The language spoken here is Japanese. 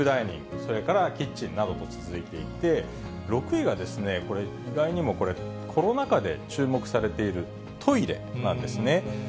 それからキッチンなどと続いていて、６位はですね、これ、意外にもコロナ禍で注目されているトイレなんですね。